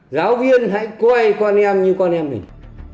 giáo viên hãy coi con em như con em mình